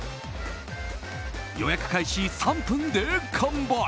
予約開始３分で完売！